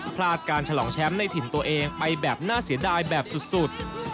พลาดการฉลองแชมป์ในถิ่นตัวเองไปแบบน่าเสียดายแบบสุด